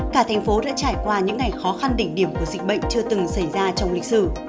cả thành phố đã trải qua những ngày khó khăn đỉnh điểm của dịch bệnh chưa từng xảy ra trong lịch sử